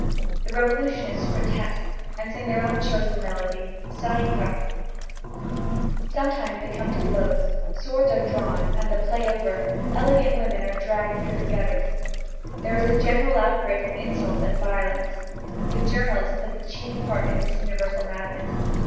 _ The revolutionists protest, and sing their own chosen melody, the Ça ira. Sometimes they come to blows, swords are drawn, and, the play over, elegant women are dragged through the gutters. There is a general outbreak of insults and violence. The journals play the chief part in this universal madness.